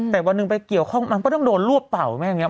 แต่วันหนึ่งไปเกี่ยวข้องมันก็ต้องโดนรวบเต่าแม่อย่างนี้